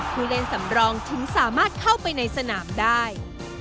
ผู้เล่นสำรองถึงสามารถเข้าไปในสนามได้